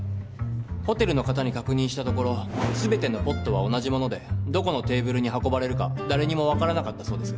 ホテルの方に確認したところ全てのポットは同じものでどこのテーブルに運ばれるか誰にも分からなかったそうです。